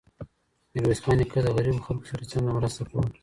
ميرويس خان نيکه د غریبو خلګو سره څنګه مرسته کوله؟